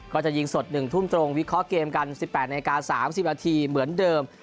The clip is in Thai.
ก็จะยิงสด๑ทุ่มตรงวิเคราะห์เกมกัน๑๘นาที๓๐นาทีเหมือนเดิม